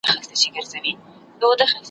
زوی يې وپوښتل: مورې ستا طبعيت څنګه دی؟